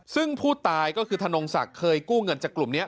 ซึ่งผู้ตายก็คือธนงศักดิ์เคยกู้เงินจากกลุ่มนี้